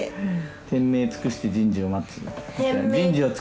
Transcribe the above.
天命尽くして人事を待つ？